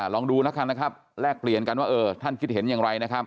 ลองดูแล้วกันนะครับแลกเปลี่ยนกันว่าเออท่านคิดเห็นอย่างไรนะครับ